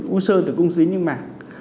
u sơ tử cung dính như mạng